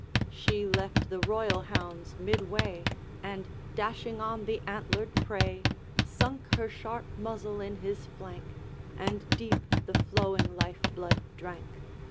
She left the royal hounds midway, And dashing on the antlered prey, Sunk her sharp muzzle in his flank, And deep the flowing life blood drank.